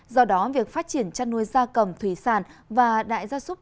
do đó việc phát triển chăn nuôi da cầm thủy sản và đại gia súc